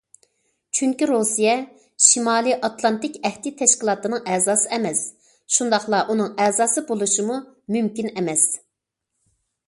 چۈنكى رۇسىيە شىمالىي ئاتلانتىك ئەھدى تەشكىلاتىنىڭ ئەزاسى ئەمەس، شۇنداقلا ئۇنىڭ ئەزاسى بولۇشىمۇ مۇمكىن ئەمەس.